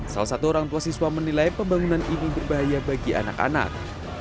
salah satu orang tua siswa menilai pembangunan ini berbahaya bagi anak anak